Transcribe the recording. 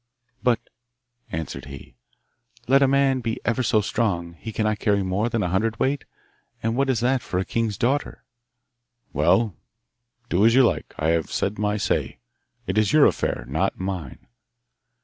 'But,' answered he, 'let a man be ever so strong, he cannot carry more than a hundredweight, and what is that for a king's daughter?' 'Well, do as you like; I have said my say. It is your affair not mine.